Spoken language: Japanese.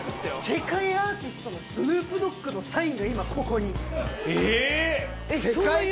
世界アーティストのスヌープ・ドッグのサインが今ここに。